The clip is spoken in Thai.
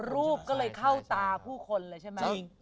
รูปก็เลยเข้าตาผู้คนเลยใช่ไหม